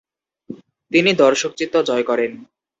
তিনি দর্শকচিত্ত জয় করেন।